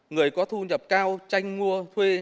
người có thu nhập cao tranh mua thuê